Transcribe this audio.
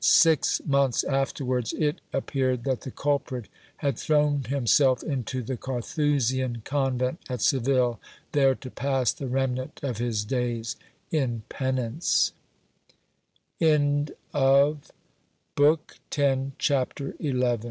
Six months afterwards it appear ed that the culprit had thrown himself into the Carthusian convent at Seville, there to pass the remnant of his days in penance.